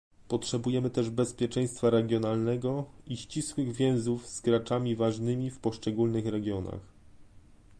Potrzebujemy też bezpieczeństwa regionalnego i ścisłych więzów z graczami ważnymi w poszczególnych regionach